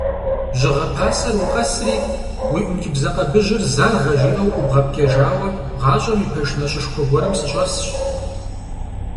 Жьыгъэ пасэр укъэсри, уи ӀункӀыбзэкъэбыжьыр «заргъэ!» жиӀэу ӀубгъэпкӀэжауэ, гъащӀэм и пэш нэщӀышхуэ гуэрым сыщӀэсщ…